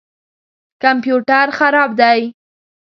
کمپیوټر خراب دی